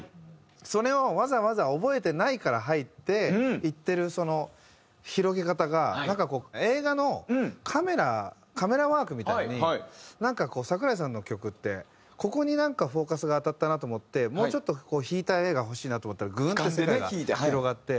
それをわざわざ「覚えてない」から入っていってるその広げ方がなんかこう映画のカメラカメラワークみたいになんかこう桜井さんの曲ってここになんかフォーカスが当たったなと思ってもうちょっとこう引いた画が欲しいなと思ったらグーンと世界が広がって。